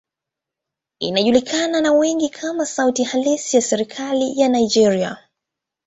Inajulikana na wengi kama sauti halisi ya serikali ya Nigeria.